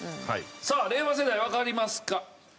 さあ令和世代わかりますか？